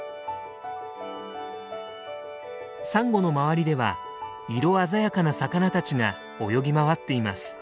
サンゴの周りでは色鮮やかな魚たちが泳ぎ回っています。